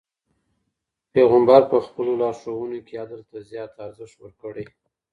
پيغمبر په خپلو لارښوونو کي عدل ته زیات ارزښت ورکړی.